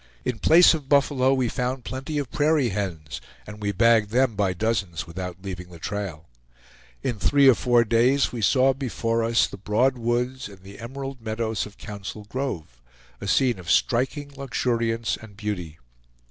In place of buffalo we found plenty of prairie hens, and we bagged them by dozens without leaving the trail. In three or four days we saw before us the broad woods and the emerald meadows of Council Grove, a scene of striking luxuriance and beauty.